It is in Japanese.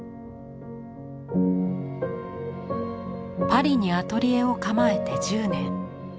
パリにアトリエを構えて１０年。